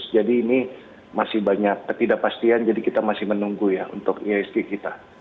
jadi ini masih banyak ketidakpastian jadi kita masih menunggu ya untuk ihsg kita